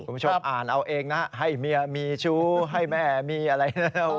คุณผู้ชมอ่านเอาเองนะให้เมียมีชู้ให้แม่มีอะไรนะ